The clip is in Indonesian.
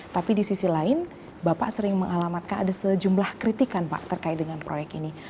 tapi di sisi lain bapak sering mengalamatkan ada sejumlah kritikan pak terkait dengan proyek ini